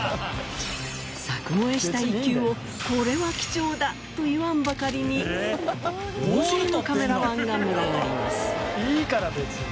柵越えした一球をこれは貴重だと言わんばかりに大勢のカメラマンが群がります。